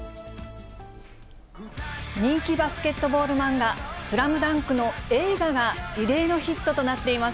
人気バスケットボール漫画、スラムダンクの映画が異例のヒットとなっています。